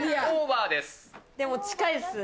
でも近いっすね。